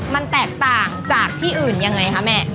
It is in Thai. มันแตกต่างจากที่อื่นยังไงคะแม่